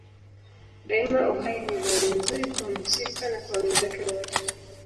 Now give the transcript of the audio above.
Daima uhai ni zawadi nzuri kwa mhusika na kwa wenzake wote.